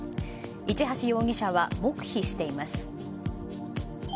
市橋容疑者は黙秘しています。